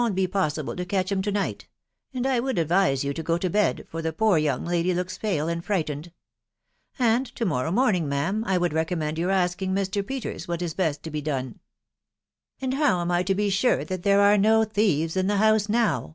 t be possible to catch 'em to night ; and I would advise you to go to bed, for the poor young lady looks pale and frightened ;.... and to morrow morning, ma'am, \ would recommend your asking Mr. Peters what is best to be done*" " And how am I to be sure that there are no thieves in the house now